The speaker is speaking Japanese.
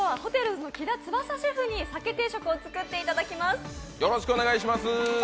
’ｓの木田翼シェフに鮭定食を作っていただきます。